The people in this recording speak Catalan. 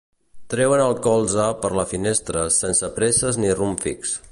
Treuen el colze per la finestra, sense presses ni rumb fix.